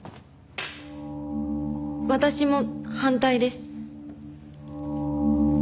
私も反対です。